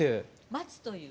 「待つ」という。